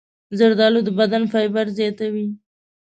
زردالو د بدن فایبر زیاتوي.